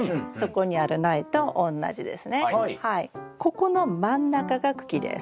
ここの真ん中が茎です。